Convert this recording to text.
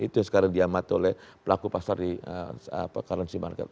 itu yang sekarang diamati oleh pelaku pasar di currency market